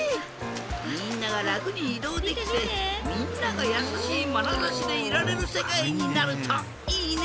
みんながらくにいどうできてみんながやさしいまなざしでいられるせかいになるといいね！